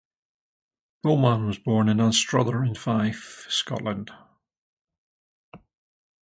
Bowman was born in Anstruther in Fife, Scotland.